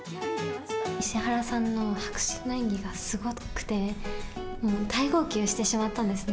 石原さんの迫真の演技がすごくて、大号泣してしまったんですね。